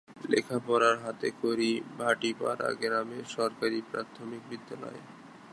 লেখা-পড়ার হাতেখড়ি ভাটি পাড়া গ্রামের সরকারি প্রাথমিক বিদ্যালয়ে।